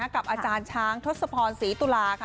กับอาจารย์ช้างทศพรศรีตุลาค่ะ